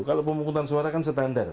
kalau pemungutan suara kan standar